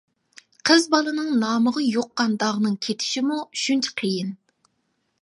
قىز بالىنىڭ نامىغا يۇققان داغنىڭ كېتىشىمۇ شۇنچە قىيىن.